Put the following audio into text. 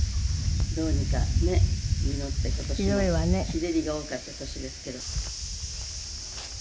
「日照りが多かった年ですけど」